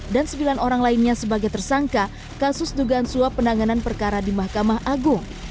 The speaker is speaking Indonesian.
dan sembilan orang lainnya sebagai tersangka kasus dugaan suap penanganan perkara di mahkamah agung